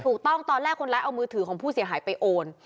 ถูกต้องตอนแรกคนร้ายเอามือถือของผู้เสียหายไปโอน